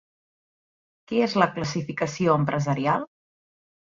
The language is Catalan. Què és la Classificació empresarial?